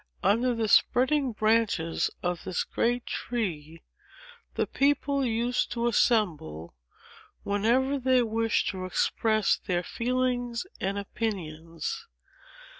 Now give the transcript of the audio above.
Under the spreading branches of this great tree, the people used to assemble, whenever they wished to express their feelings and opinions.